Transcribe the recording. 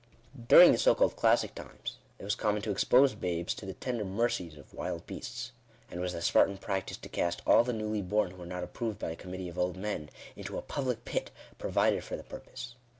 During the so called classic times, it was common to expose babes to the tender mercies of wild beasts. And it was the Spartan practice to cast all the newly born who were not approved by a committee of old men, into a public pit provided for the purpose.